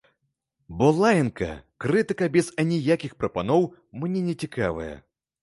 Бо лаянка, крытыка без аніякіх прапаноў мне нецікавая.